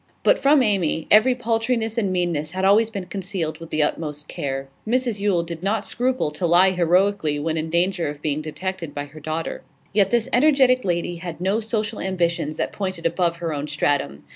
But from Amy every paltriness and meanness had always been concealed with the utmost care; Mrs Yule did not scruple to lie heroically when in danger of being detected by her daughter. Yet this energetic lady had no social ambitions that pointed above her own stratum.